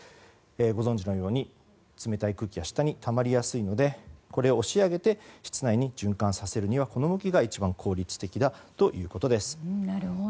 ご存じのように、冷たい空気は下にたまりやすいのでこれを押し上げて室内に循環させるにはこの向きが一番効率的だということです。